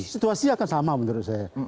situasi akan sama menurut saya